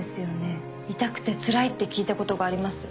痛くてつらいって聞いたことがあります。